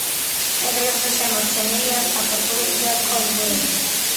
კედლებზე შემორჩენილია სათოფურები და ქონგურები.